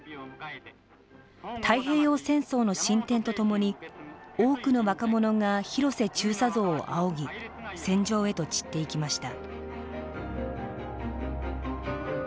太平洋戦争の進展とともに多くの若者が広瀬中佐像を仰ぎ戦場へと散っていきました。